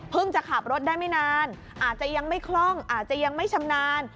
จะขับรถได้ไม่นานอาจจะยังไม่คล่องอาจจะยังไม่ชำนาญ